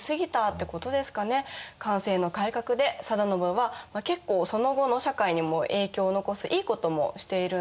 寛政の改革で定信は結構その後の社会にも影響を残すいいこともしているんですよね。